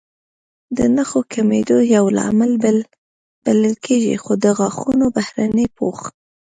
د نښو کمېدو یو لامل بلل کېږي، خو د غاښونو بهرنی پوښ